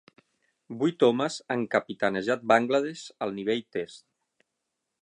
Vuit homes han capitanejat Bangladesh al nivell Test.